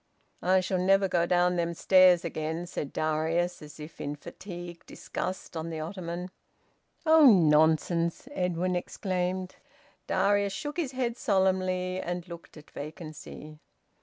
"I shall never go down them stairs again," said Darius, as if in fatigued disgust, on the ottoman. "Oh, nonsense!" Edwin exclaimed. Darius shook his head solemnly, and looked at vacancy.